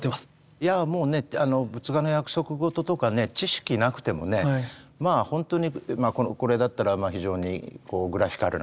いやもうね仏画の約束事とか知識なくてもねまあ本当にこれだったらまあ非常にグラフィカルな表現がありますよね。